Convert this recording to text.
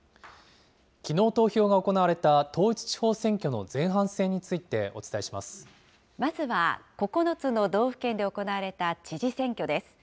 きのう投票が行われた統一地方選挙の前半戦についてお伝えしまずは９つの道府県で行われた知事選挙です。